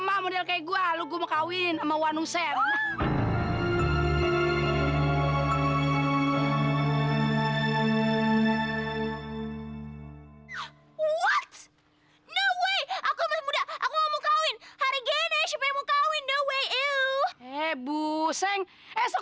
sampai jumpa di video selanjutnya